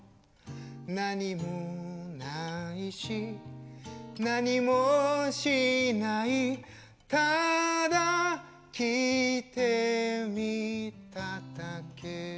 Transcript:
「なにもないしなにもしない」「ただ来てみただけさ」